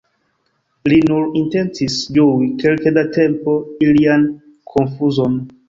Li nur intencis ĝui kelke da tempo ilian konfuzon!